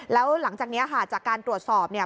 แล้วหลังจากนี้ค่ะจากการตรวจสอบเนี่ย